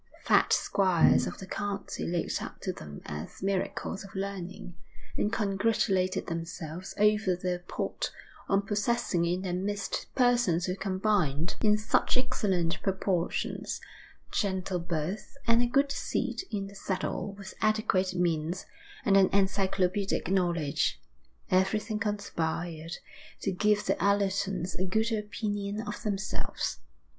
The fat squires of the county looked up to them as miracles of learning, and congratulated themselves over their port on possessing in their midst persons who combined, in such excellent proportions, gentle birth and a good seat in the saddle with adequate means and an encyclopedic knowledge. Everything conspired to give the Allertons a good opinion of themselves.